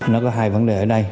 nó có hai vấn đề ở đây